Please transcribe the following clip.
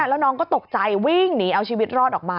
แล้วน้องก็ตกใจวิ่งหนีเอาชีวิตรอดออกมา